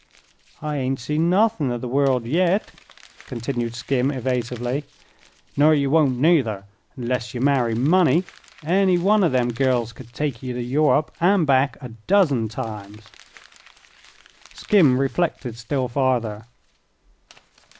"I hain't seen nuthin' o' the world, yit," continued Skim, evasively. "Ner ye won't nuther, onless ye marry money. Any one o' them gals could take ye to Europe an' back a dozen times." Skim reflected still farther.